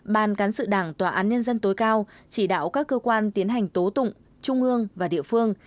ban cán sự đảng tòa án nhân dân tối cao chỉ đạo các cơ quan tiến hành tố tụng trung ương và địa phương